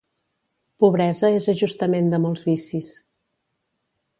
Pobresa és ajustament de molts vicis.